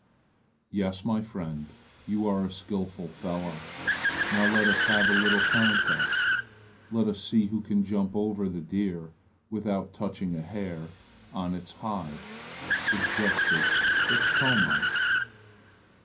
"Yes, my friend, you are a skillful fellow. Now let us have a little contest. Let us see who can jump over the deer without touching a hair on his hide," suggested Iktomi.